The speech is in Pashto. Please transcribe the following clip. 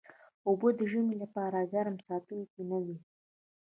اوبه د ژمي لپاره ګرم ساتونکي نه دي